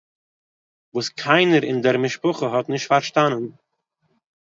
וואָס קיינער אין דער משפּחה האָט נישט פאַרשטאַנען